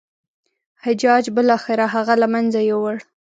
حجاج بالاخره هغه له منځه یووړ.